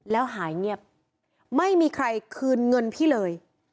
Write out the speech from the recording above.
แล้วหายเงียบไม่มีใครคืนเงินพี่เลย